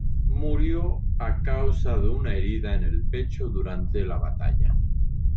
Murió a causa de una herida en el pecho durante la batalla.